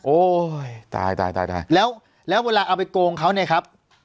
โอ้ยตายแล้วเวลาเอาไปโกงเขาเนี่ยครับ